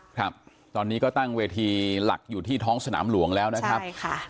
ครับตอนนี้ก็ตั้งเวทีหลักอยู่ที่ท้องสนามหลวงแล้วนะครับใช่ค่ะ